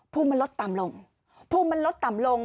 ภูมิมันลดต่ำลงภูมิมันลดต่ำลง